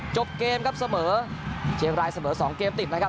จบเกมครับเสมอเชียงรายเสมอ๒เกมติดนะครับ